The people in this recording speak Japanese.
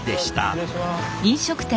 失礼します。